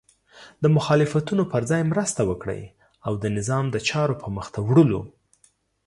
د مخالفتونو په ځای مرسته وکړئ او د نظام د چارو په مخته وړلو